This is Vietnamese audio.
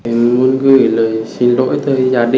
em muốn gửi lời xin lỗi cho gia đình bị hại